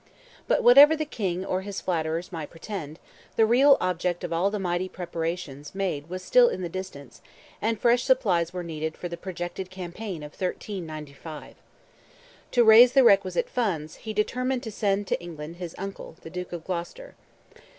But whatever the King or his flatterers might pretend, the real object of all the mighty preparations made was still in the distance, and fresh supplies were needed for the projected campaign of 1395. To raise the requisite funds, he determined to send to England his uncle, the Duke of Gloucester.